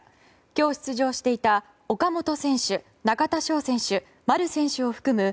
今日出場していた岡本選手、中田翔選手丸選手を含む